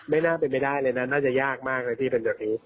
น่าเป็นไปได้เลยนะน่าจะยากมากเลยที่เป็นแบบนี้